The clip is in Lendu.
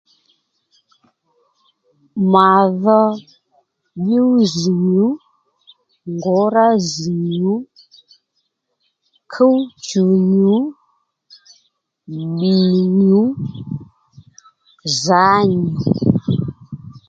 Mà dho dyú-zz̀ nyù, ngǔrá-zz̀ nyù, kúw-chù nyù, bbìy nyù zǎ nyù